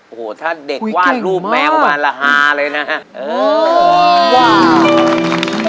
โอ้โฮถ้าเด็กวาดรูปแมวประมาณรหาเลยนะฮะโอ้ยเก่งมาก